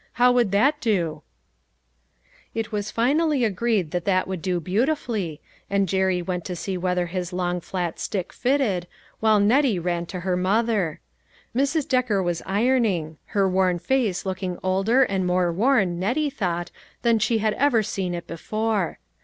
How would that do ?" It was finally agreed that that would do beautifully, and Jerry went to see whether his long flat stick fitted, while Nettie ran to her mother. Mrs. Decker was ironing, her worn face looking older and more worn, Nettie thought, than she had ever seen it before.